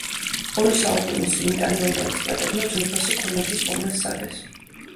ორი საუკუნის წინ იტალიელმა ექსპერტებმა ძვირფასი ქვემეხის პოვნა სცადეს.